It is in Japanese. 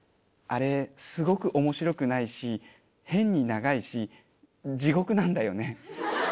あれすごく面白くないし変に長いし地獄なんだよね。